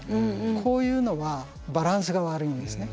こういうのはバランスが悪いんですね。